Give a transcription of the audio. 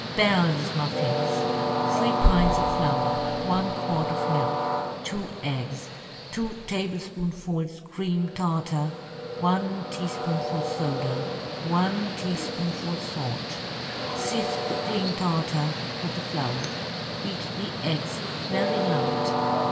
BELLE'S MUFFINS. 3 pints of flour. 1 quart of milk. 2 eggs. 2 tablespoonfuls cream tartar. 1 tablespoonful soda. 1 tablespoonful salt. Sift the cream tartar with the flour. Beat the eggs very light.